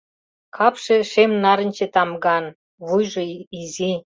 Капше шем-нарынче тамган, вуйжо изи.